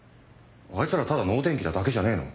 あいつらただ能天気なだけじゃねえの？